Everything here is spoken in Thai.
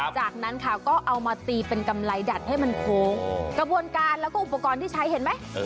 จากนั้นค่ะก็เอามาตีเป็นกำไรดัดให้มันโค้งกระบวนการแล้วก็อุปกรณ์ที่ใช้เห็นไหม